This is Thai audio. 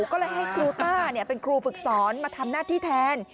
ก็เลยให้ครูต้าเป็นครูฝึกสอนมาทำหน้าที่แทน